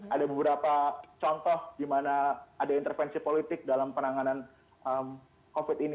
ada beberapa contoh di mana ada intervensi politik dalam penanganan covid ini